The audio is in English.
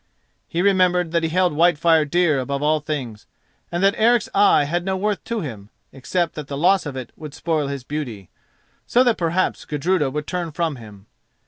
He remembered that he held Whitefire dear above all things, and that Eric's eye had no worth to him, except that the loss of it would spoil his beauty, so that perhaps Gudruda would turn from him.